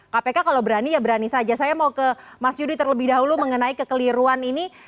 kpk kalau berani ya berani saja saya mau ke mas yudi terlebih dahulu mengenai kekeliruan ini